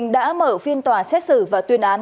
đã mở phiên tòa xét xử và tuyên án